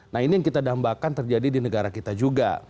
nah ini yang kita dambakan terjadi di negara kita juga